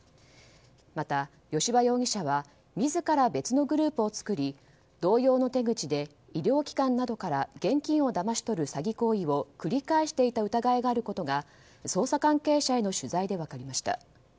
また、吉羽容疑者は自ら別のグループを作り同様の手口で医療機関などから現金をだまし取る詐欺行為を繰り返した疑いがあることが捜査関係者への取材で分かりました。